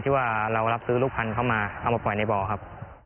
ว่าเรารับซื้อลูกพันธุ์มาเอามาปล่อยในบ่อครับ